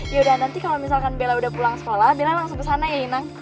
yaudah nanti kalau bella udah pulang sekolah bella langsung ke sana ya inang